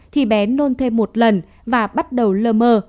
thì bé nôn thêm một lần và bắt đầu lơ mơ